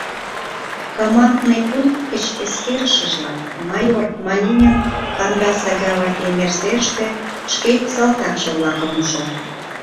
Командный пункт гыч эскерышыжла, майор Малинин Хандаса-Гава эҥер серыште шке салтакше-влакым ужо.